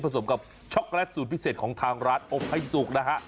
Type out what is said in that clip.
สมกับช็อกโกแลตสูตรพิเศษของทางร้านอบให้สุกนะฮะ